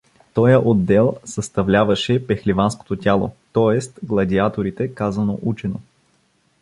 Тоя отдел съставляваше пехливанското тяло, т. е. гладиаторите, казано учено.